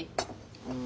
うん。